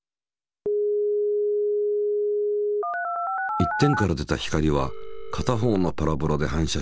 一点から出た光は片方のパラボラで反射してまっすぐ進み